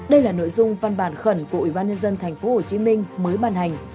đây là nội dung văn bản khẩn của ủy ban nhân dân tp hcm mới ban hành